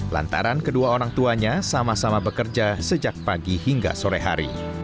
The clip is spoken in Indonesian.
lantaran kedua orang tuanya sama sama bekerja sejak pagi hingga sore hari